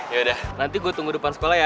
yaudah nanti gue tunggu depan sekolah ya